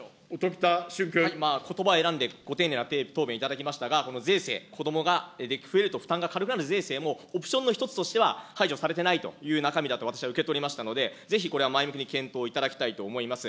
ことば選んで、ご丁寧な答弁いただきましたが、この税制、子どもが増えると負担が軽くなる税制も、オプションの一つとしては排除されてないという中身だと私は受け取りましたので、ぜひこれは前向きに検討いただきたいと思います。